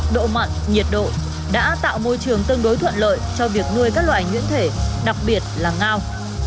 độ mặn nhiệt độ đã tạo môi trường tương đối thuận lợi cho việc nuôi các loài nhuyễn thể đặc biệt là ngao